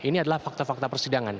ini adalah fakta fakta persidangan